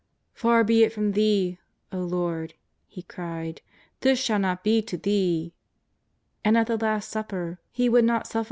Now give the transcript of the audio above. ^'Par be it from Thee, O Lord," he cried, " this shall not be to Thee." And at the Last Supper he would not suffer 194 JESUS OF NAZARETH.